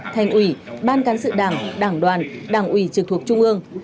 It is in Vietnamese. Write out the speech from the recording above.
thành ủy ban cán sự đảng đảng đoàn đảng ủy trực thuộc trung ương